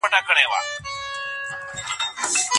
د سياست او اقتصاد اړيکه متقابله ده.